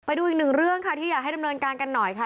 ไปดูอีกหนึ่งเรื่องค่ะที่อยากให้ดำเนินการกันหน่อยค่ะ